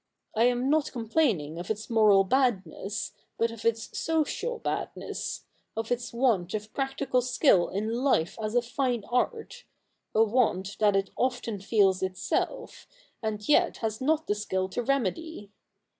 I am not complaining of its moral badness, but of its social badness — of its want of practical skill in life as a fine art — a want that it often feels itself, and yet has not the skill to remedy.